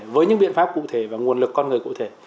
với những biện pháp cụ thể và nguồn lực con người cụ thể